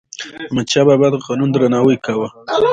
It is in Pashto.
احمدشاه بابا د قانون درناوی کاوه.